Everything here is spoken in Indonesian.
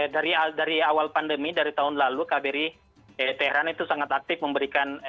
dari awal pandemi dari tahun lalu kbri teheran itu sangat aktif memberikan